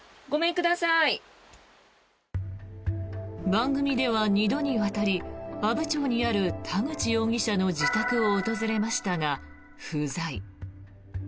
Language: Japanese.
番組では２度にわたり阿武町にある田口容疑者の自宅を訪れましたが、不在。